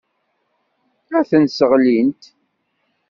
Ad ten-sseɣlint.